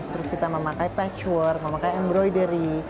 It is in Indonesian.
terus kita memakai toucher memakai embroidery